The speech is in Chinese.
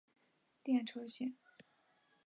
电车线。